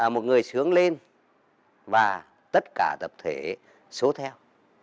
một người sướng lên và tất cả tập thể số theo